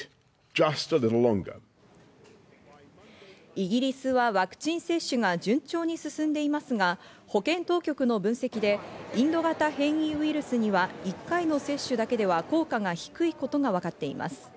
イギリスはワクチン接種が順調に進んでいますが、保健当局の分析でインド型変異ウイルスには１回の接種だけでは効果が低いことが分かっています。